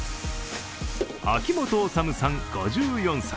秋元修さん、５４歳。